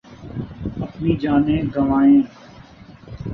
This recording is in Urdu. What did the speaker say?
اپنی جانیں گنوائیں